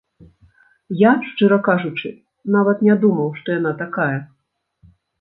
Я, шчыра кажучы, нават не думаў, што яна такая.